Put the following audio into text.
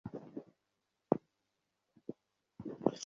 Search করে শুরুতে আমি এটাই পেয়েছিলাম।